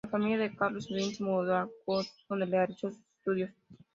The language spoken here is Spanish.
La familia de Carlo Schmid se mudó a Stuttgart, donde realizó sus estudios.